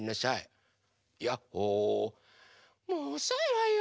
もうおそいわよ！